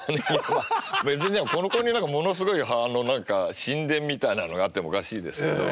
別にここに何かものすごいあの何か神殿みたいなのがあってもおかしいですけど。